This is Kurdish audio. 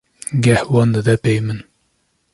geh wan dida pey min.